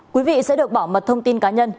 quý vị sẽ được bảo mật thông tin cá nhân